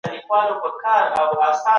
زموږ تاريخ په ډېره بې انصافۍ ليکل سوی دی.